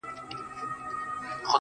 • مړ يې کړم اوبه له ياده وباسم.